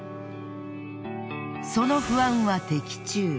その不安は的中。